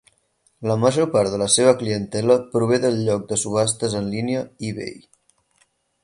La major part de la seva clientela prové del lloc de subhastes en línia eBay.